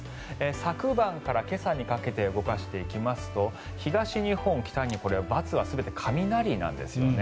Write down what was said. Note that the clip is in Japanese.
昨晩から今朝にかけて動かしていきますと東日本これはバツは全て雷なんですね。